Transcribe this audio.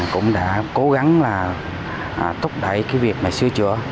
cũng đã cố gắng là thúc đẩy cái việc mà sửa chữa